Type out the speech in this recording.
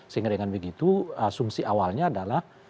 sehingga dengan begitu asumsi awalnya adalah